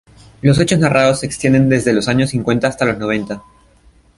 Los hechos narrados se extienden desde los años cincuenta hasta los noventa.